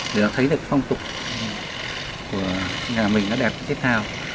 để nó thấy được phong tục của nhà mình nó đẹp như thế nào